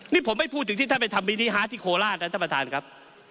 นี่ผมไม่พูดถึงที่ท่านไปทำบีนิฮาร์ดที่โคราชนะท่านประธานครับ